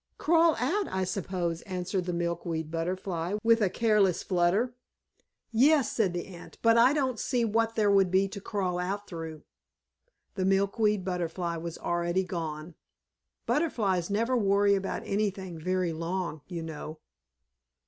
"Crawl out, I suppose," answered the Milkweed Butterfly with a careless flutter. "Yes," said the Ant, "but I don't see what there would be to crawl out through." The Milkweed Butterfly was already gone. Butterflies never worry about anything very long, you know.